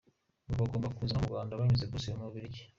Ngo bagombaga kuza mu Rwanda banyuze Bruxelles mu Bubiligi.